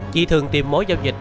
chị thường tìm mối giao dịch